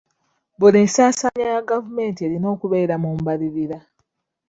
Buli nsaasaanya ya gavumenti erina okubeera mu mbalirira.